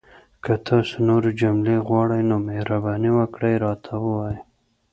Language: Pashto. که تاسو نورې جملې غواړئ، نو مهرباني وکړئ راته ووایئ!